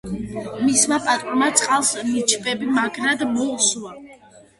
მისმა პატრონმა წყალს ნიჩბები მაგრად მოუსვა